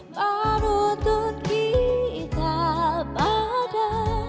menuntun kita pada